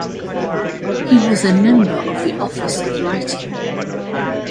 He was a member of the Office of Writing.